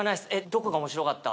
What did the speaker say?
「どこが面白かった？」